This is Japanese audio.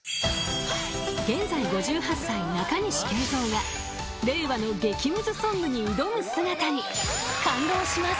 ［現在５８歳中西圭三が令和の激ムズソングに挑む姿に感動します］